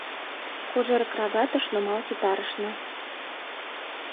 Кожер крагатыш нумал ситарышна.